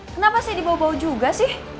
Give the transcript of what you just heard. kenapa saya dibawa bawa juga sih